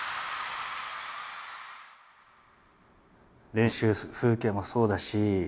練習風景もそうだし。